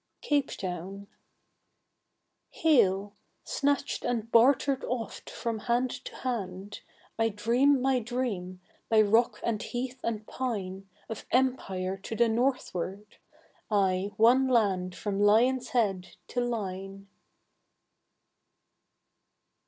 Capetown. Hail! Snatched and bartered oft from hand to hand, I dream my dream, by rock and heath and pine, Of Empire to the northward. Ay, one land From Lion's Head to Line!